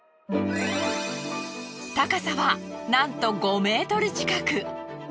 高さはなんと５ｍ近く。